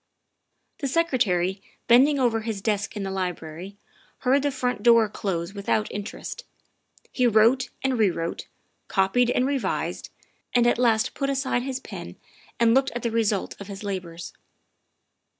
The Secretary, bending over his desk in the library, heard the front door close without interest. He wrote and rewrote, copied and revised, and at last put aside his pen and looked at the result of his labors.